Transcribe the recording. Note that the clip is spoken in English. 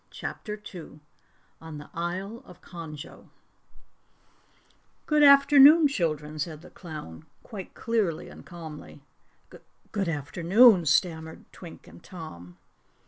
CHAPTER 2 On the Isle of Conjo "Good afternoon, children," said the clown quite clearly and calmly. "G g g good afternoon!" stammered Twink and Tom.